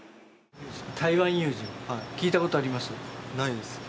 台湾有事、聞いたことあります？